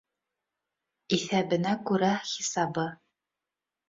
Иҫәбенә күрә хисабы.